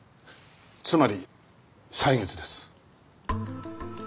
つまり歳月です。